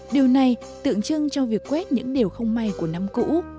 điều này tượng trưng cho việc quét những điều không may của năm cũ